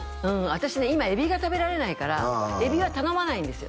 私ね今エビが食べられないからエビは頼まないんですよ